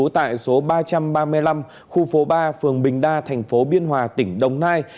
hậu khẩu thường trú tại số ba trăm ba mươi năm khu phố ba phường bình đa thành phố biên hòa tỉnh đồng nai